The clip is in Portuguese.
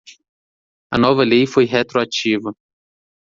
A nova lei foi retroativa.